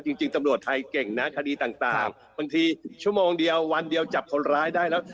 จริงตำรวจไทยเก่งนะคดีต่างบางทีชั่วโมงเดียววันเดียวจับคนร้ายได้แล้ว